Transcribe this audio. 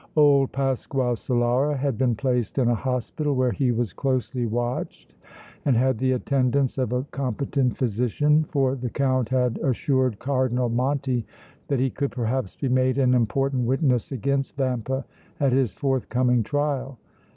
Old Pasquale Solara had been placed in a hospital where he was closely watched and had the attendance of a competent physician, for the Count had assured Cardinal Monti that he could perhaps be made an important witness against Vampa at his forthcoming trial.